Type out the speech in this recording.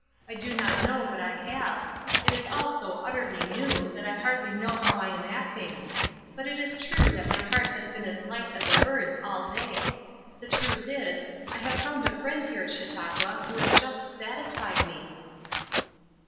I do not know but I have. It is all so utterly new that I hardly know how I am acting; but it is true that my heart has been as light as a bird's all day. The truth is, I have found a friend here at Chautauqua who has just satisfied me."